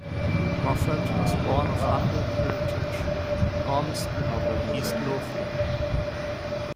Moffat was born of humble parentage in Ormiston, East Lothian.